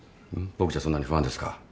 僕じゃそんなに不安ですか？